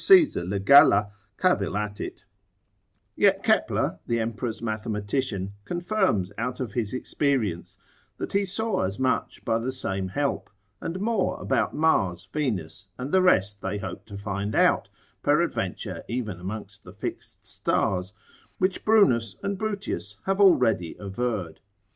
Caesar le Galla cavil at it) yet Kepler, the emperor's mathematician, confirms out of his experience, that he saw as much by the same help, and more about Mars, Venus, and the rest they hope to find out, peradventure even amongst the fixed stars, which Brunus and Brutius have already averred.